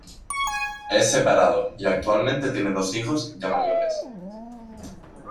Es separado, y actualmente tiene dos hijos ya mayores.